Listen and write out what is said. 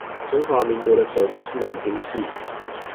中華民國的首都是南京市